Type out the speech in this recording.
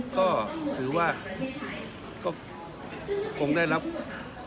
ก็คือว่าจะคงได้รับความ๑๔๙บาท